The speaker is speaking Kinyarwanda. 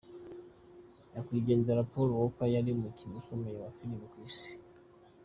Nyakwigendera Paul Walker yari umukinnyi ukomeye wa filimi ku isi.